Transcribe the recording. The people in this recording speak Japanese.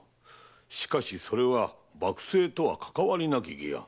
しかしそれは幕政とはかかわりなき議案。